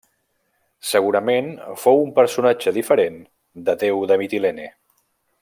Segurament fou un personatge diferent d'Adéu de Mitilene.